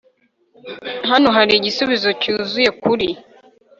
Hano hari igisubizo cyuzuye kuri